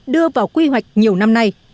đưa vào quy hoạch nhiều năm nay